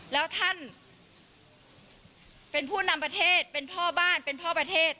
แล้วท่านเป็นผู้นำประเทศเป็นพ่อบ้านเป็นพ่อประเทศ